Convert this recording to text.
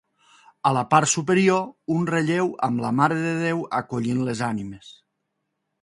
A la part superior, un relleu amb la Mare de Déu acollint les ànimes.